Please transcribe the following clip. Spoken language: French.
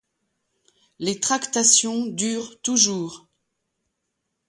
Les tractations durent toujours.